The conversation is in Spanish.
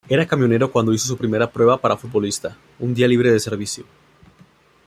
Era camionero cuando hizo su primera prueba para futbolista, un día libre de servicio.